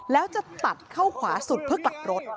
แล้วจะตัดเข้าขวาสุดเพื่อกลับรถ